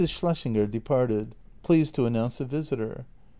Schlessinger departed, pleased to announce a visitor.